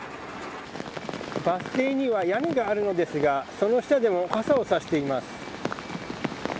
バス停には屋根があるのですがその下でも傘をさしています。